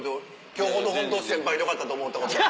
今日ほどホント先輩でよかったと思ったことは。